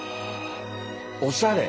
おしゃれ。